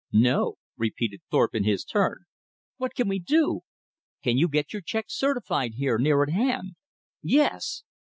"No," repeated Thorpe in his turn. "What can we do?" "Can you get your check certified here near at hand?" "Yes."